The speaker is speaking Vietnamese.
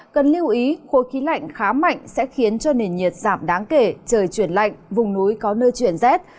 cần lưu ý khối khí lạnh khá mạnh sẽ khiến cho nền nhiệt giảm đáng kể trời chuyển lạnh vùng núi có nơi chuyển rét